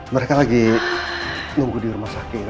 mereka lagi nunggu di rumah sakit